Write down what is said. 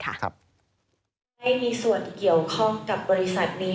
ให้มีส่วนเกี่ยวข้องกับบริษัทนี้